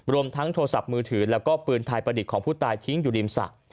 ทั้งโทรศัพท์มือถือแล้วก็ปืนไทยประดิษฐ์ของผู้ตายทิ้งอยู่ริมสระ